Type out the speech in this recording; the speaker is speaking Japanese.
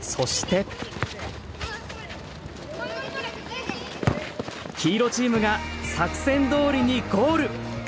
そして黄色チームが作戦どおりにゴール！